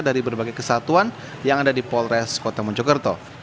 dari berbagai kesatuan yang ada di polres kota mojokerto